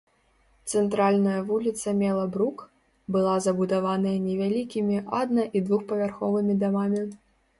Цэнтральная вуліца мела брук, была забудаваная невялікімі адна- і двухпавярховымі дамамі.